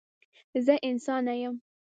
زه انسانه یم.